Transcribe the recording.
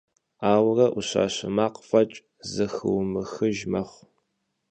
Ауэрэ ӏущащэ макъ фӏэкӏ зэхыумыхыж мэхъу.